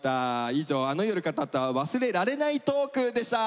以上「あの夜語った忘れられナイトーーク！」でした！